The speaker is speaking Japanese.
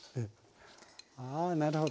あなるほど。